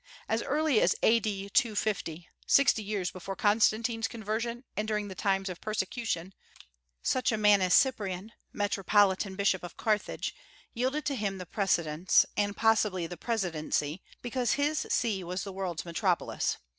As early as A.D. 250, sixty years before Constantine's conversion, and during the times of persecution, such a man as Cyprian, metropolitan Bishop of Carthage, yielded to him the precedence, and possibly the presidency, because his See was the world's metropolis.